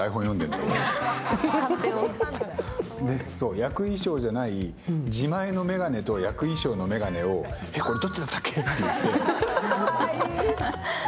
役衣装じゃない自前の眼鏡と役衣装の眼鏡を、どっちだっけ？とか言って。